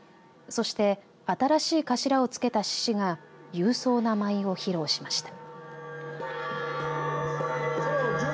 そして新しい頭をつけた獅子が勇壮な舞を披露しました。